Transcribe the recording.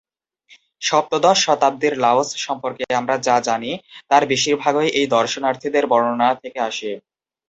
সপ্তদশ শতাব্দীর লাওস সম্পর্কে আমরা যা জানি তার বেশিরভাগই এই দর্শনার্থীদের বর্ণনা থেকে আসে।